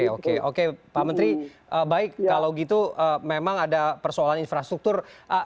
oke oke pak menteri baik kalau gitu memang ada persoalan infrastruktur